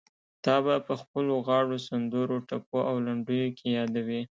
تا به په خپلو غاړو، سندرو، ټپو او لنډيو کې يادوي.